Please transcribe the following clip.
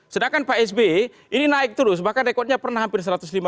sedangkan pak sby ini naik terus bahkan rekodnya pernah hampir satu ratus lima puluh